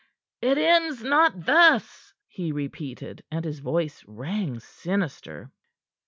"It ends not thus!" he repeated, and his voice rang sinister.